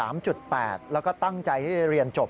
แล้วก็ตั้งใจให้เรียนจบ